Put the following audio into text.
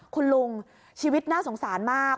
คุณลุงชีวิตน่าสงสารมาก